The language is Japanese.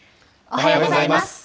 おはようございます。